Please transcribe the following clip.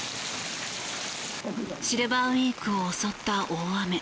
シルバーウィークを襲った大雨。